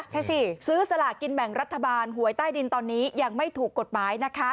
ใช่สิซื้อสลากินแบ่งรัฐบาลหวยใต้ดินตอนนี้ยังไม่ถูกกฎหมายนะคะ